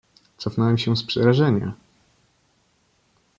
"Cofnąłem się z przerażenia."